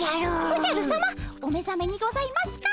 おじゃるさまお目ざめにございますか。